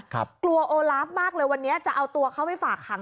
กลัวโอลาฟมากเลยวันนี้จะเอาตัวเขาไปฝากขัง